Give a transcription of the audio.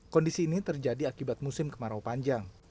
kondisi ini terjadi akibat musim kemarau panjang